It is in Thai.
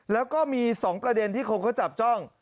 แล้วก็มี๒ประเด็นที่คนเขาจับจ้อง